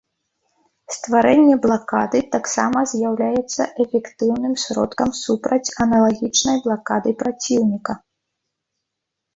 Стварэнне блакады таксама з'яўляецца эфектыўным сродкам супраць аналагічнай блакады праціўніка.